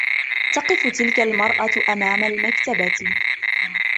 تقف تلك المرأة أمام المكتبة.